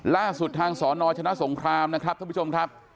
ล่าสุดทางสนชนะสงครามนะครับท่านผู้ชมครับ